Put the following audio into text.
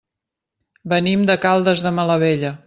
Venim de Caldes de Malavella.